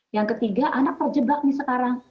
yang ketiga anak terjebak nih sekarang